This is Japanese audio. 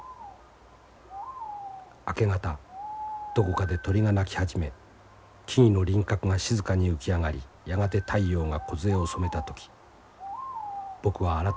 明け方どこかで鳥が鳴き始め木々の輪郭が静かに浮き上がりやがて太陽がこずえを染めた時僕は改めてがく然としたものだ。